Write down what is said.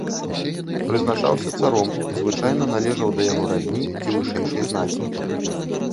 Прызначаўся царом і звычайна належаў да яго радні ці вышэйшай знаці.